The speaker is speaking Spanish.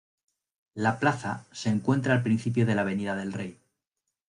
La Plaza, se encuentra al principio de la Avenida del Rey.